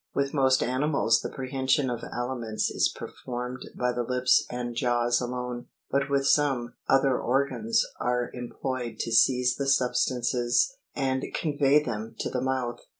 With most animals the prehension of aliments is performed by the lips and jaws alone; but with some, other organs are em ployed to seize the substances and convey them to the mouth.